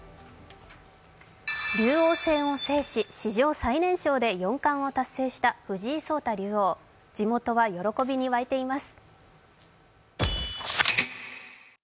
竜王戦を制し、史上最年少で四冠を達成した藤井聡太竜王、地元は喜びに沸いています。